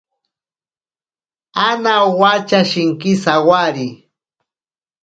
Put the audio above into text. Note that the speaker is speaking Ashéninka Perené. Ana owacha shinki sawari.